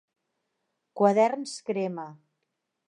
Quaderns Crema.